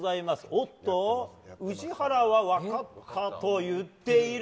おっと、宇治原は分かったと言っている。